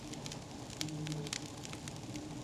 এ ছড়ার সকল কথার অর্থ লীলা বুঝিতে পারিল না।